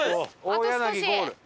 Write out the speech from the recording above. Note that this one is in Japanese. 大柳ゴール。